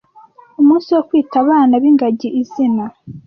Umunsi wo kwita abana b’ingagi izina